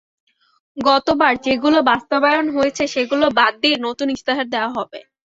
গতবার যেগুলো বাস্তবায়ন হয়েছে সেগুলো বাদ দিয়ে নতুন ইশতেহার দেওয়া হবে।